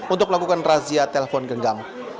untuk melakukan razia telepon genggam